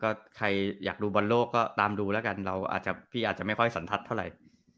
ก็ใครอยากดูบอลโลกก็ตามดูแล้วกันเราอาจจะพี่อาจจะไม่ค่อยสันทัศน์เท่าไหร่